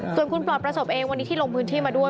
ส่วนคุณปลอดประสบเองวันนี้ที่ลงพื้นที่มาด้วย